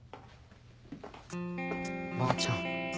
ばあちゃん。